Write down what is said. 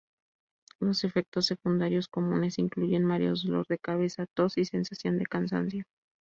Los efectos secundarios comunes incluyen mareos, dolor de cabeza, tos y sensación de cansancio.